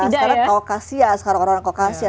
sekarang kokasia sekarang orang orang kokasia